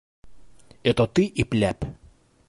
Это ты «ипләп»!